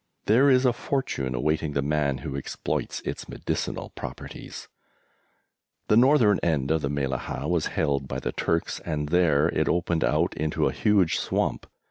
There is a fortune awaiting the man who exploits its medicinal properties! The northern end of the Mellahah was held by the Turks, and there it opened out into a huge swamp.